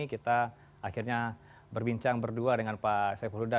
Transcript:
kita akhirnya berbincang berdua dengan pak saiful huda